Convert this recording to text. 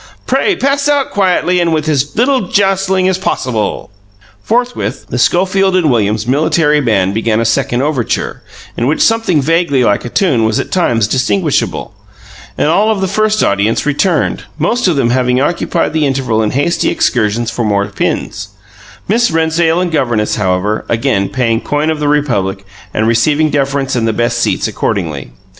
Pray pass out quietly and with as little jostling as possible." Forthwith, the Schofield and Williams Military Band began a second overture, in which something vaguely like a tune was at times distinguishable; and all of the first audience returned, most of them having occupied the interval in hasty excursions for more pins; Miss Rennsdale and governess, however, again paying coin of the Republic and receiving deference and the best seats accordingly.